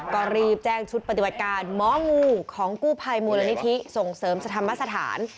ก็รีบแจ้งชุดปฏิบัติการหมองูของกู้ภัยมูลนิธิส่งเสริมสธรรมสถาน